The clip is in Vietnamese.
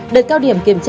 đợt cao điểm kiểm tra